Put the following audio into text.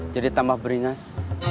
jadi tambah beringas